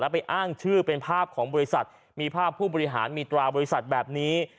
ไปอ้างชื่อเป็นภาพของบริษัทมีภาพผู้บริหารมีตราบริษัทแบบนี้